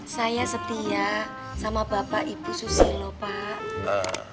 saya setia sama bapak ibu susilo pak